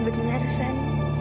kamu benar aksan